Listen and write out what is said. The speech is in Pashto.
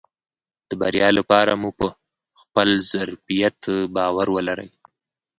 د بريا لپاره مو په خپل ظرفيت باور ولرئ .